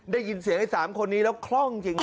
ได้ยินเสียงไอ้๓คนนี้แล้วคล่องจริง